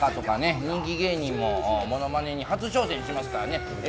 さや香とかね、人気芸人もものまねに初挑戦しますからね。